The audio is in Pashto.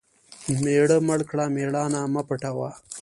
مېړه مړ کړه مېړانه مه پوټوه .